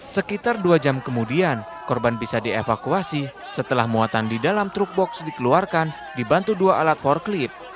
sekitar dua jam kemudian korban bisa dievakuasi setelah muatan di dalam truk box dikeluarkan dibantu dua alat forklip